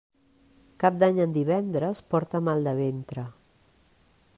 Cap d'Any en divendres porta mal de ventre.